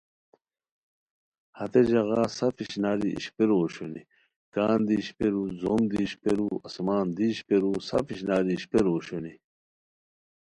ہتے ژاغا سف اشناری اشپیرو اوشونی: کان دی اشپیرو، زوم دی اشپیرو، آسمان دی اشپیرو، سف اشناری اشپیرو اوشونی